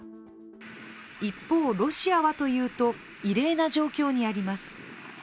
一方、ロシアはというと異例な状況にあります。